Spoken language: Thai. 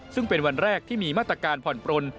ซึ่งเป็นวันแรกที่มีมาตรการผ่อนปลน